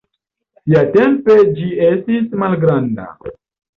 Siatempe ĝi estis malgranda.